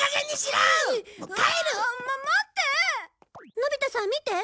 のび太さん見て。